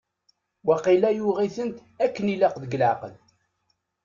Waqila yuɣ-itent akken i ilaq deg leɛqel.